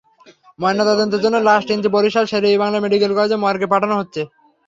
ময়নাতদন্তের জন্য লাশ তিনটি বরিশাল শের-ই-বাংলা মেডিকেল কলেজের মর্গে পাঠানো হচ্ছে।